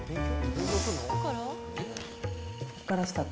ここからスタート。